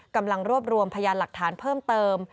กำลังรวบรวมพยานหลักฐานเพิ่มเติม